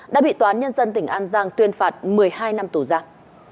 đã bị toán nhân dân tỉnh an giang tuyên phạt một mươi hai năm tù giam